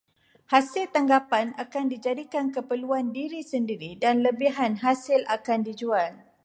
Hasil tangkapan akan dijadikan keperluan diri sendiri dan lebihan hasil akan dijual.